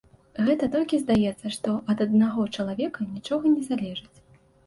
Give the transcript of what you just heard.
Гэта толькі здаецца, што ад аднаго чалавека нічога не залежыць.